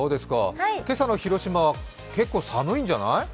今朝の広島は結構寒いんじゃない？